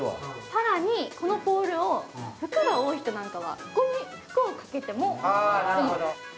更にこのポールを、服が多い人なんかはここに服をかけてもいいんです。